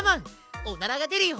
おならがでるよ！